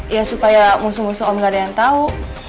ya supaya musuh musuh om gak ada yang tahu